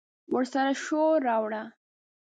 ورسره شور، راوړه